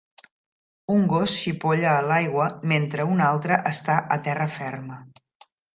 Un gos xipolla a l'aigua mentre un altre està a terra ferma.